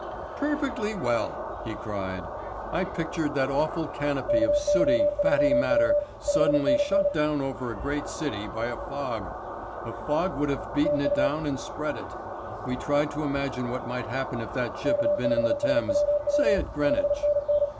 "Perfectly well," he cried. "I pictured that awful canopy of sooty, fatty matter suddenly shut down over a great city by a fog. A fog would have beaten it down and spread it. We tried to imagine what might happen if that ship had been in the Thames, say at Greenwich."